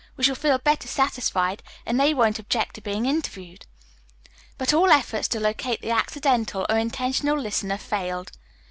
We shall feel better satisfied, and they won't object to being interviewed." But all efforts to locate the accidental or intentional listener failed.